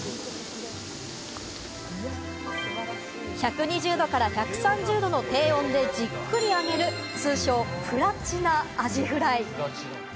１２０度から１３０度の低温でじっくり揚げる、通称プラチナアジフライ。